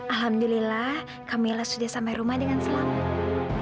alhamdulillah camillah sudah sampai rumah dengan selamat